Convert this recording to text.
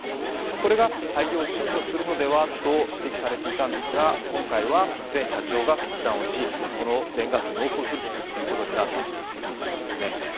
これが廃業をちゅうちょするのではと指摘されていたんですが今回は前社長が決断し、全額納付することになったということなんですね。